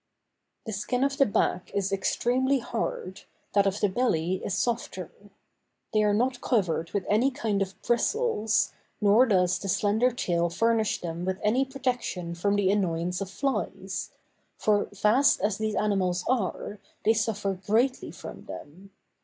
The skin of the back is extremely hard, that of the belly is softer. They are not covered with any kind of bristles, nor does the slender tail furnish them with any protection from the annoyance of flies; for vast as these animals are, they suffer greatly from them.